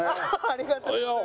ありがとうございます。